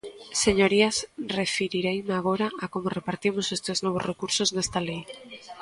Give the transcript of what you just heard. Señorías, referireime agora a como repartimos estes novos recursos nesta lei.